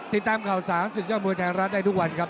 ติดตามข่าวสารศึกยอดมวยไทยรัฐได้ทุกวันครับ